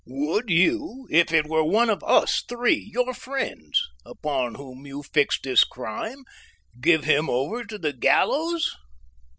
Would you, if it were one of us three, your friends, upon whom you fixed this crime, give him over to the gallows?"